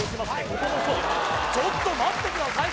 ここもそうちょっと待ってください